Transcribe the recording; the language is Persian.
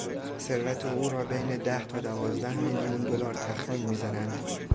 ثروت او را بین ده تا دوازده میلیون دلار تخمین میزنند.